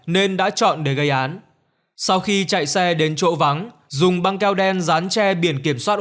nên đã chọn để gây án sau khi chạy xe đến chỗ vắng dùng băng keo đen dán che biển kiểm soát